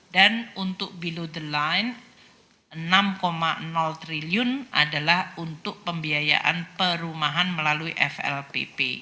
dan untuk below the line enam triliun adalah untuk pembiayaan perumahan melalui flp